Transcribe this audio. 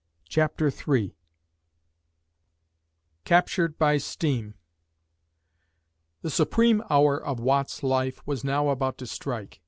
CHAPTER III CAPTURED BY STEAM The supreme hour of Watt's life was now about to strike.